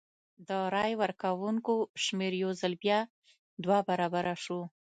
د رای ورکوونکو شمېر یو ځل بیا دوه برابره شو.